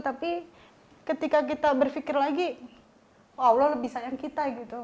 tapi ketika kita berpikir lagi allah lebih sayang kita gitu